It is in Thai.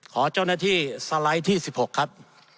ขอเจ้าหน้าที่สไลด์ที่๑๖ครับ